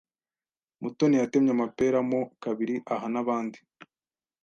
Mutoni yatemye amapera mo kabiri aha nabandi.